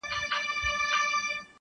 • کمالونه چي د هري مرغۍ ډیر وي -